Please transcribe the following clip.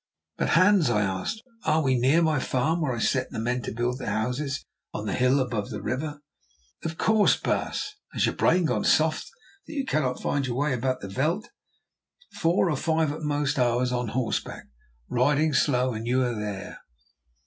"But, Hans," I asked, "are we near my farm where I set the men to build the houses on the hill above the river?" "Of course, baas. Has your brain gone soft that you cannot find your way about the veld? Four, or at most five, hours on horseback, riding slow, and you are there."